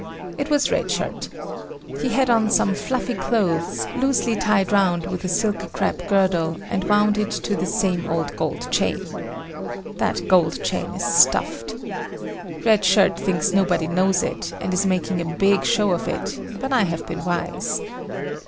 It was Red Shirt. He had on some fluffy clothes, loosely tied round with a silk crepe girdle, and wound to it the same old gold chain. That gold chain is stuffed. Red Shirt thinks nobody knows it and is making a big show of it, but I have been wise.